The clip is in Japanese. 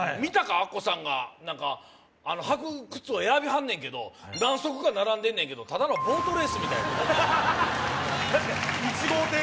アッコさんが履く靴を選びはんねんけど何足か並んでんねんやけどただのボートレースみたいやでホンマ